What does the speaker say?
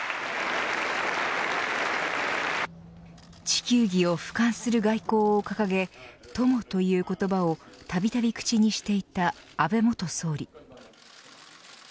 地球儀を俯瞰する外交を掲げ友という言葉をたびたび口にしていた安倍元総理。